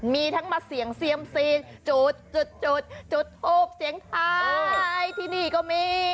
มีทั้งมาเสี่ยงเซียมซีนจุดจุดทูบเสียงท้ายที่นี่ก็มี